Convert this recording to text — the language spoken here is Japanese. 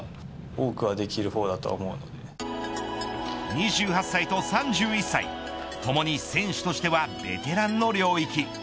２８歳と３１歳ともに選手としてはベテランの領域。